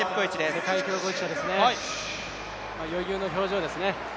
世界記録保持者ですね、余裕の表情ですね